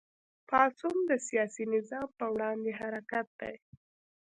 پاڅون د سیاسي نظام په وړاندې حرکت دی.